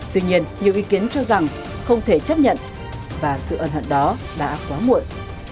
tuy nhiên nhiều ý kiến cho rằng không thể chấp nhận và sự ân hận đó đã quá muộn